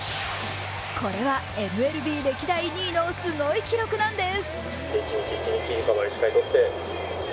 これはＭＬＢ歴代２位のすごい記録なんです。